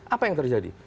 apa yang terjadi